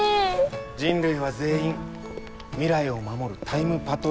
人類は全員未来を守るタイムパトローラーなんだ。